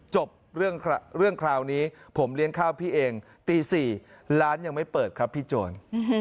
จบเรื่องคราวนี้ผมเลี้ยงข้าวพี่เองตี๔ร้านยังไม่เปิดครับพี่โจร